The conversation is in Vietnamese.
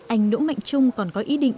anh đỗ mạnh trung còn có ý định